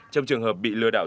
trong trường hợp bị lừa đảo